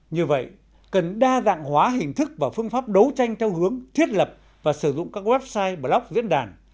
như vậy cần đa dạng hóa hình thức và phương pháp đấu tranh theo hướng thiết lập và sử dụng các website blog diễn đàn